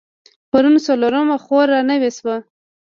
پرون څلرمه خور رانوې شوه.